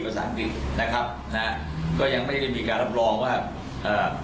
ภาษาอังกฤษนะครับนะฮะก็ยังไม่ได้มีการรับรองว่าเอ่อ